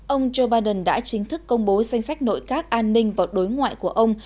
ông joe biden đã chính thức công bố danh sách nội các an ninh và đối ngoại của ông